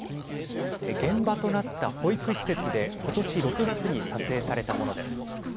現場となった保育施設で今年６月に撮影されたものです。